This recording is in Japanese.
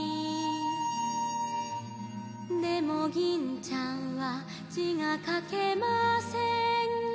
「でも銀ちゃんは字が書けません」